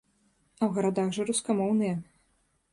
А ў гарадах жа рускамоўныя.